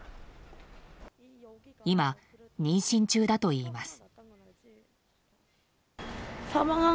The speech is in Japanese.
今、妊娠中だといいます。